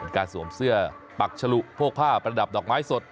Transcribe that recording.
เป็นการสวมเสื้อปักฉลุโภคผ้าประดับดอกไม้สด